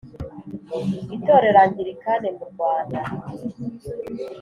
itorero angilikani mu Rwanda